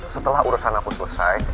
setelah urusan aku selesai